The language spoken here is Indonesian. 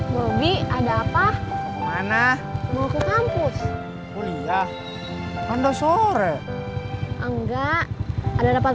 bobi ada apa mana mau ke kampus kuliah sampai sore enggak ada dapat